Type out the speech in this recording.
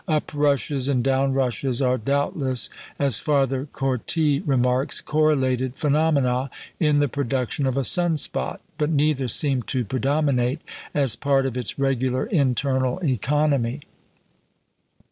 Uprushes and downrushes are doubtless, as Father Cortie remarks, "correlated phenomena in the production of a sun spot"; but neither seem to predominate as part of its regular internal economy.